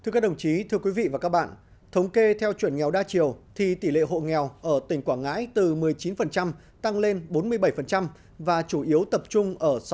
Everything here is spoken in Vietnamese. các bạn hãy đăng kí cho kênh lalaschool để không bỏ lỡ những video hấp dẫn